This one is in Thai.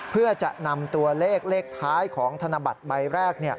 เพื่อจะนำตัวเลขเลขท้ายของธนบัตรใบแรก